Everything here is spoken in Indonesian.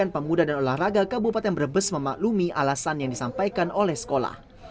pemuda dan olahraga kabupaten brebes memaklumi alasan yang disampaikan oleh sekolah